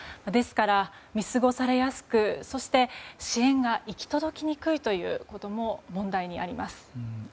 ですから、見過ごされやすく支援が行き届きにくいということも問題としてあります。